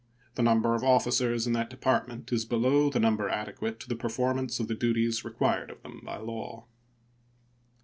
The number of officers in that department is below the number adequate to the performance of the duties required of them by law.